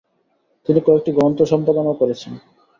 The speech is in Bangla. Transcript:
তিনি কয়েকটি গ্রন্থ সম্পাদনাও করেছেন।